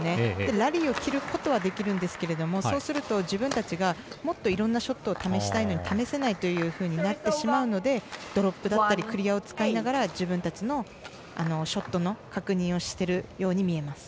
ラリーを切ることはできるんですがそうすると、自分たちがもっといろんなショットを試したいのに試せないというふうになってしまうのでドロップだったりクリアを使いながら自分たちのショットの確認をしているように見えます。